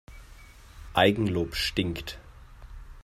Eigenlob stinkt.